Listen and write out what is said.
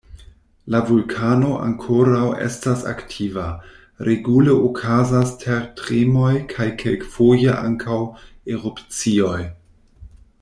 La vulkano ankoraŭ estas aktiva: regule okazas tertremoj kaj kelkfoje ankaŭ erupcioj.